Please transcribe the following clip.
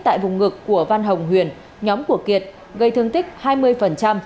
tại vùng ngực của văn hồng huyền nhóm của kiệt gây thương tích hai mươi